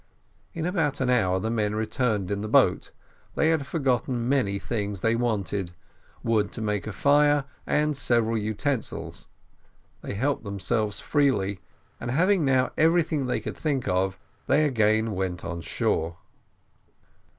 In about an hour the men returned in the boat: they had forgotten many things they wanted wood to make a fire, and several utensils; they helped themselves freely, and having now everything that they could think of, they again went on shore.